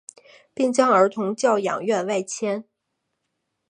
并将儿童教养院外迁。